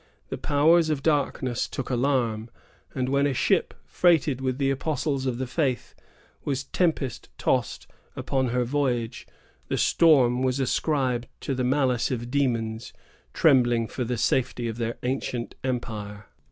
The powers of darkness took alarm; and when a ship, freighted with the apostles of the faith, was tempest tost upon her voyage, the storm was ascribed to the malice of demons, trembling for the safety of their ancient empire.